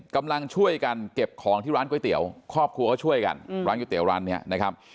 กำลังช่วยกันเก็บของที่ร้านก๋วยเตี๋ยวครอบครัวก็ช่วยกันร้านก๋วยเตี๋ยวร้านนี้นะครับ